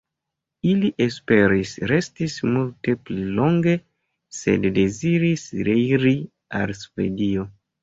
Ili esperis restis multe pli longe sed deziris reiri al Svedio.